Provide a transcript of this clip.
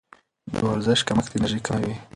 د ورزش کمښت انرژي کموي.